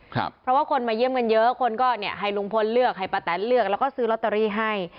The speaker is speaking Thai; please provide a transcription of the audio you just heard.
เพราะว่าคนมาเยี่ยมกันเยอะคนก็เนี่ยให้ลุงพลเลือกให้ป้าแตนเลือกแล้วก็ซื้อลอตเตอรี่ให้